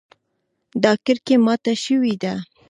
دا کړکۍ ماته شوې ده